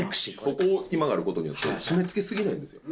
ここの隙間がある事によって締めつけすぎないんですよ。